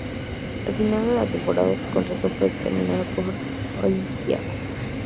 Al final de la temporada su contrato fue terminado por Olympiacos.